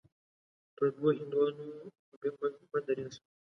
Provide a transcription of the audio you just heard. پر دوو هندوانو مه درېږه.